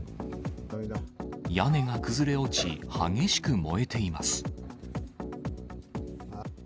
屋根が崩れ落ち、激しく燃えています。